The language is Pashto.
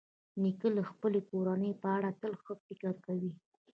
نیکه د خپلې کورنۍ په اړه تل ښه فکر کوي.